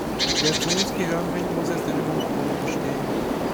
Wer zu uns gehören will, muss erst eine Mutprobe bestehen.